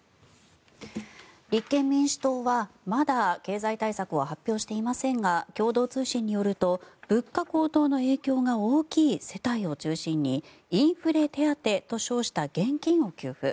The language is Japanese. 立憲民主党は、まだ経済対策を発表していませんが共同通信によると物価高騰の影響が大きい世帯を中心にインフレ手当と称した現金を給付。